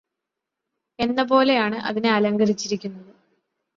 എന്നപോലെയാണ് അതിനെ അലങ്കരിച്ചിരിക്കുന്നത്